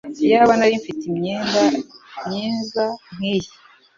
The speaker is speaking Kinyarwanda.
Iyaba nari mfite imyenda myiza nkiyi!